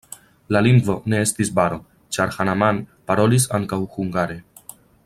La lingvo ne estis baro, ĉar Hanaman parolis ankaŭ hungare.